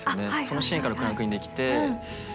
そのシーンからクランクインできて。